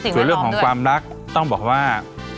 ส่วนเรื่องของความรักต้องบอกว่า